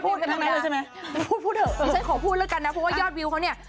พูดเดี๋ยวฉันขอพูดแล้วกันนะเพราะว่ายอดวิวเขาเนี่ย